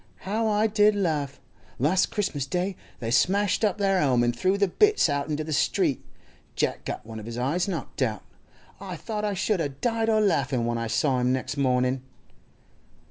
How I did laugh! Last Christmas Day they smashed up their 'ome an' threw the bits out into the street. Jack got one of his eyes knocked out—I thought I should a' died o' laughin' when I saw him next mornin'.